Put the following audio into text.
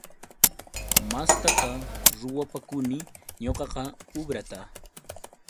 Mastaqa ruwapakuni ñuqaqa ubrata.